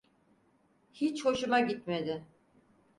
Hiç hoşuma gitmedi.